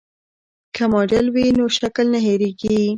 که ماډل وي نو شکل نه هېریږي.